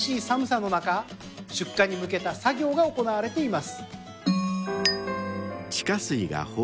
［現在は出荷に向けての作業が行われています］